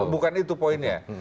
bukan itu poinnya